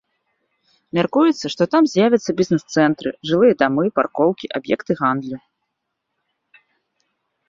Мяркуецца, што там з'явяцца бізнес-цэнтры, жылыя дамы, паркоўкі, аб'екты гандлю.